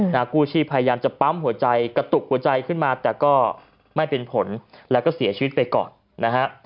กู้ชีพพยายามจะปั๊มหัวใจกระตุกหัวใจขึ้นมาแต่ก็ไม่เป็นผลแล้วก็เสียชีวิตไปก่อนนะฮะ